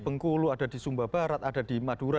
bengkulu ada di sumba barat ada di madura